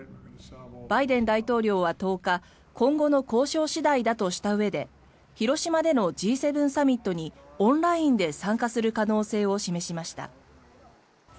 バイデン大統領は１０日今後の交渉次第だとしたうえで広島でのＧ７サミットにオンラインで参加する可能性を示しました。